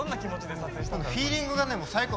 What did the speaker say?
フィーリングがね最高。